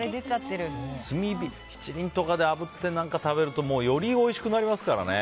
炭火七輪とかであぶって何か食べるとよりおいしくなりますからね。